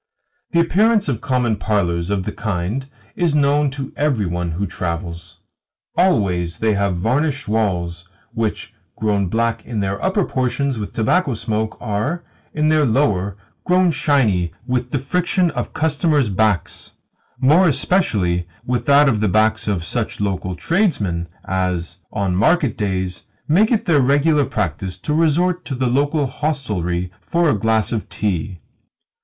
The appearance of common parlours of the kind is known to every one who travels. Always they have varnished walls which, grown black in their upper portions with tobacco smoke, are, in their lower, grown shiny with the friction of customers' backs more especially with that of the backs of such local tradesmen as, on market days, make it their regular practice to resort to the local hostelry for a glass of tea.